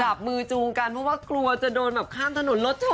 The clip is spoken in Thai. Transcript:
จับมือจูงกันเพราะว่ากลัวจะโดนแบบข้ามถนนรถชน